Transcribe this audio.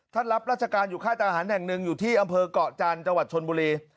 รับราชการอยู่ค่ายทหารแห่งหนึ่งอยู่ที่อำเภอกเกาะจันทร์จังหวัดชนบุรี